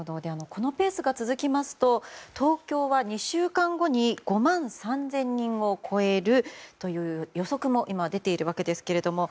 このペースが続きますと東京は２週間後に５万３０００人を超えるという予測も今、出ているわけですが。